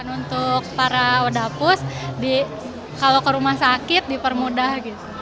untuk para odapus kalau ke rumah sakit dipermudah